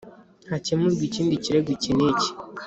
hakemurwe ikindi kirego iki n iki